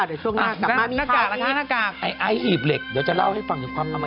ไอ้หีบเหล็กเดี๋ยวจะเล่าให้ฟัง